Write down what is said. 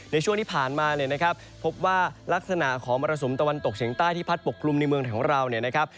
ในช่วงที่ผ่านมาเนี่ยนะครับพบว่ารักษณะของมรสุมตะวันตกเฉียงใต้ที่พัดปกคลุมในเมืองของเราเนี่ยนะครับ